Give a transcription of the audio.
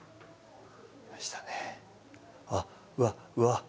あっうわっうわっ